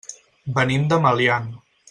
Venim de Meliana.